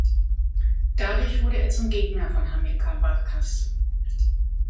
Dadurch wurde er zum Gegner von Hamilkar Barkas.